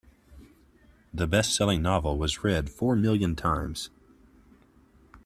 The bestselling novel was read four million times.